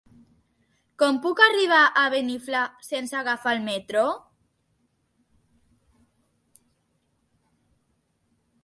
Com puc arribar a Beniflà sense agafar el metro?